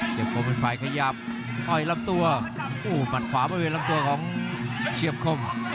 เชียก่มอืมไฟขยับป่อยลำตัวอู๋ขวามาเป็นลำตัวของเชียบคม